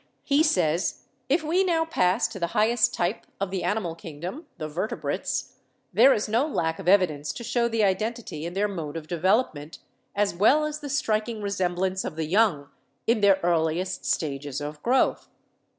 He says : "If we now pass to the highest type of the Animal Kingdom, the Vertebrates, there is no lack of evidence to show the identity in their mode of development, as well as the striking resemblance 158 BIOLOGY of the young in their earliest stages of growth.